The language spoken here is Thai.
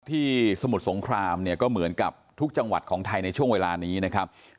สมุทรสงครามเนี่ยก็เหมือนกับทุกจังหวัดของไทยในช่วงเวลานี้นะครับ